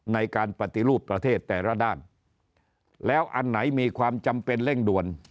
ในการปฏิรูปประเทศแต่ละด้านแล้วอันไหนมีความจำเป็นเร่งด่วน